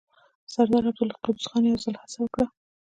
سردار عبدالقدوس خان يو ځل هڅه وکړه.